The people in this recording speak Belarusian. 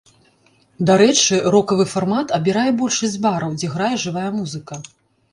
Дарэчы рокавы фармат абірае большасць бараў, дзе грае жывая музыка.